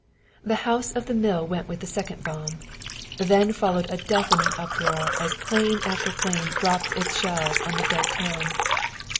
The house of the mill went with the second bomb. Then followed a deafening uproar as plane after plane dropped its shells on the dead town.